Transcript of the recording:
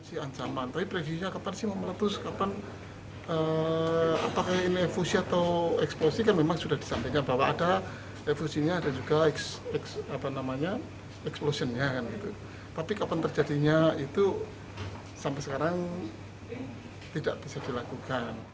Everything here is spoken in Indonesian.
yang ketiga kabupaten tersebut